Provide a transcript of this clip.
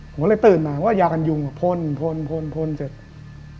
ผมก็เลยตื่นมาว่ายากันยุงอะพ่นพ่นพ่นพ่นเสร็จ